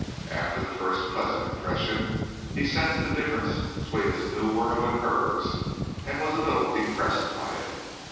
After the first pleasant impression he sensed the difference between his new world and hers and was a little depressed by it.